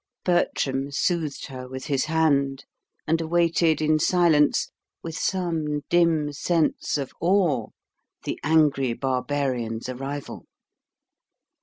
Bertram soothed her with his hand, and awaited in silence, with some dim sense of awe, the angry barbarian's arrival.